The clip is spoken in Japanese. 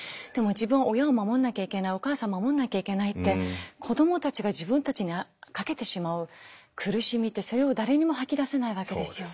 自分は親を守んなきゃいけないお母さんを守んなきゃいけないって子どもたちが自分たちにかけてしまう苦しみってそれを誰にも吐き出せないわけですよ。